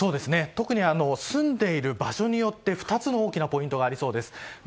特に住んでいる場所によって２つの大きなポイントがありそうです。